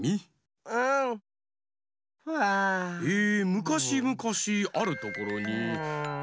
「むかしむかしあるところにいかした」。